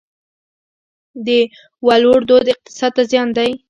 د ولور دود اقتصاد ته زیان دی؟